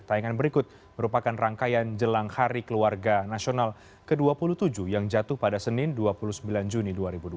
tayangan berikut merupakan rangkaian jelang hari keluarga nasional ke dua puluh tujuh yang jatuh pada senin dua puluh sembilan juni dua ribu dua puluh